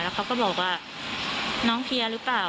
แล้วเขาก็บอกว่าน้องเพียรึเปล่า